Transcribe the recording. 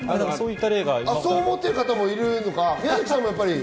そう思っている方もいるのか。